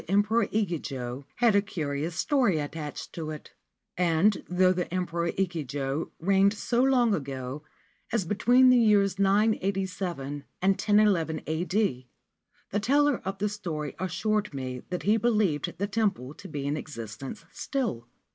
Emperor Ichijo had a curious story attached to it ; anc though the Emperor Ichijo reigned so long ago z between the years 987 and ion A.D., the teller of rt story assured me that he believed the temple to be i existence still.